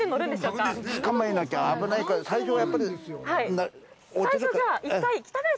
つかまえなきゃ危ないから、最初は、やっぱり。